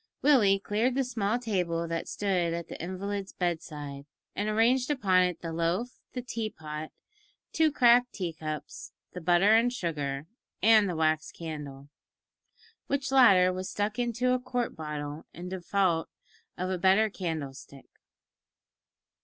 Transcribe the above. Willie cleared the small table that stood at the invalid's bed side, and arranged upon it the loaf, the tea pot, two cracked tea cups, the butter and sugar, and the wax candle which latter was stuck into a quart bottle in default of a better candle stick.